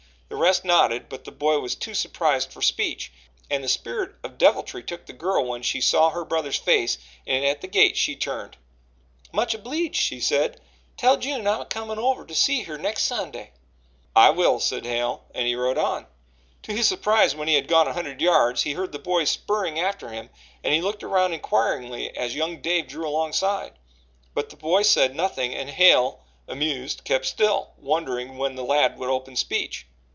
The rest nodded, but the boy was too surprised for speech, and the spirit of deviltry took the girl when she saw her brother's face, and at the gate she turned: "Much obleeged," she said. "Tell June I'm a comin' over to see her next Sunday." "I will," said Hale, and he rode on. To his surprise, when he had gone a hundred yards, he heard the boy spurring after him and he looked around inquiringly as young Dave drew alongside; but the boy said nothing and Hale, amused, kept still, wondering when the lad would open speech.